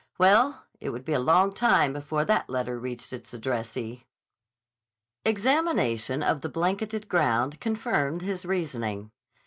Well, it would be a long time before that letter reached its addressee! Examination of the blanketed ground confirmed his reasoning.